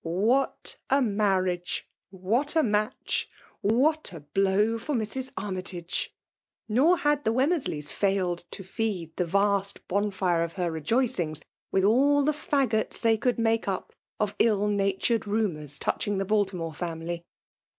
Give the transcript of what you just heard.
What a marriage ! What a match ! What a blow for Mrs. Ar my tage! Nor had the Wemm^sleys failed to feed the vast bonfire of her rejoicings with all the fftggots they could make up of ill natured rumours touching the Baltimore family.